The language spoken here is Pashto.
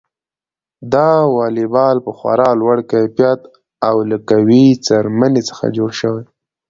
دا واليبال په خورا لوړ کیفیت او له قوي څرمنې څخه جوړ شوی.